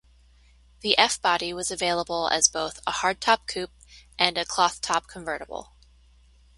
The F-Body was available as both a hardtop coupe and a cloth-top convertible.